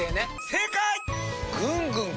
正解！